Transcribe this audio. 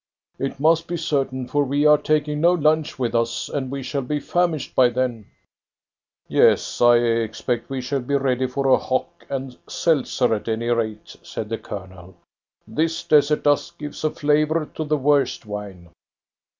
"It must be certain, for we are taking no lunch with us, and we shall be famished by then." "Yes, I expect we shall be ready for a hock and seltzer at any rate," said the Colonel. "This desert dust gives a flavour to the worst wine."